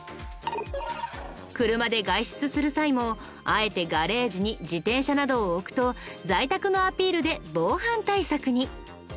車で外出する際もあえてガレージに自転車などを置くと在宅のアピールで防犯対策に。